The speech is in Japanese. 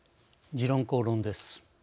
「時論公論」です。